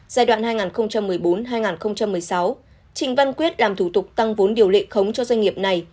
giai đoạn hai nghìn một mươi bốn hai nghìn một mươi sáu trịnh văn quyết làm thủ tục tăng vốn điều lệ khống cho doanh nghiệp này